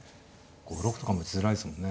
５六とかも打ちづらいですもんね。